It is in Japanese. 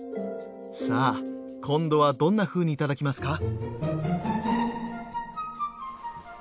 さあ今度はどんなふうに頂きますか？